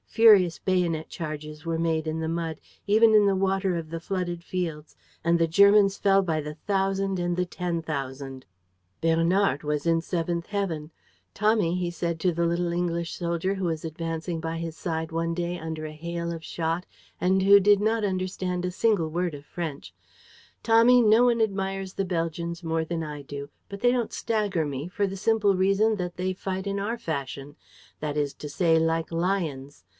Furious bayonet charges were made in the mud, even in the water of the flooded fields; and the Germans fell by the thousand and the ten thousand. Bernard was in the seventh heaven: "Tommy," he said to a little English soldier who was advancing by his side one day under a hail of shot and who did not understand a single word of French, "Tommy, no one admires the Belgians more than I do, but they don't stagger me, for the simple reason that they fight in our fashion; that is to say, like lions.